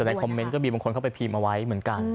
ในคอมเมนต์ก็มีบางคนเข้าไปพิมพ์เอาไว้เหมือนกัน